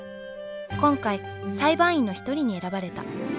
今回裁判員の一人に選ばれた。